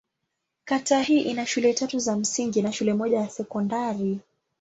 Kata hii ina shule tatu za msingi na shule moja ya sekondari.